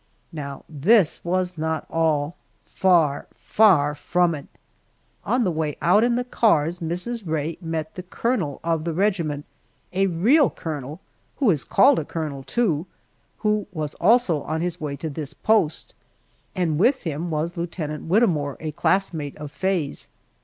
Now this was not all far, far from it. On the way out in the cars, Mrs. Rae met the colonel of the regiment a real colonel, who is called a colonel, too who was also on his way to this post, and with him was Lieutenant Whittemore, a classmate of Faye's.